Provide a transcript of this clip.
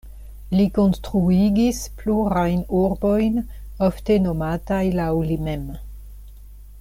Li konstruigis plurajn urbojn, ofte nomataj laŭ li mem.